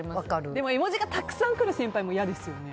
でも絵文字がたくさん来る先輩も嫌ですよね。